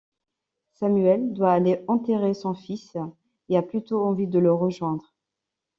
Samuel doit aller enterrer son fils et a plutôt envie de le rejoindre.